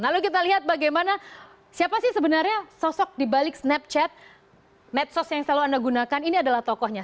lalu kita lihat bagaimana siapa sih sebenarnya sosok dibalik snapchat medsos yang selalu anda gunakan ini adalah tokohnya